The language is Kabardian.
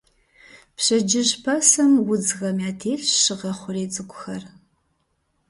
Пщэдджыжь пасэм удзхэм ятелъщ щыгъэ хъурей цӀыкӀухэр.